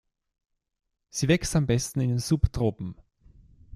Sie wächst am besten in den Subtropen.